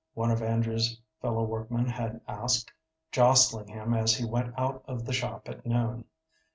one of Andrew's fellow workmen had asked, jostling him as he went out of the shop at noon.